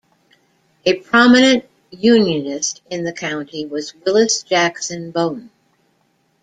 A prominent Unionist in the county was Willis Jackson Bone.